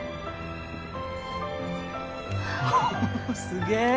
すげえ！